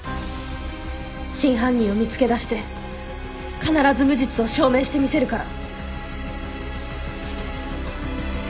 真犯人を見つけ出して必ず無実を証明してみせるから。